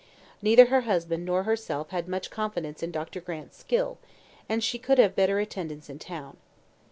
Neither her husband nor herself had much confidence in Dr. Grant's skill, and she could have better attendance in town.